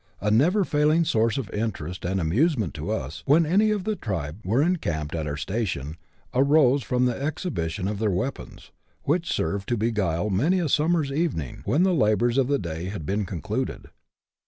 A never failing source of interest and amusement to us, when any of the tribe were encamped at our station, arose from the exhibition of their weapons, which served to beguile many a summer's evening when the labours of the day had been concluded.